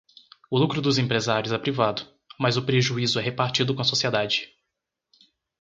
O lucro dos empresários é privado, mas o prejuízo é repartido com a sociedade